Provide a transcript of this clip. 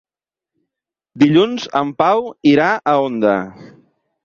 Dilluns en Pau irà a Onda.